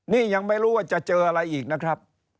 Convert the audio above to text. นี่ยังไม่รู้ว่าจะเจออะไรอีกนะครับ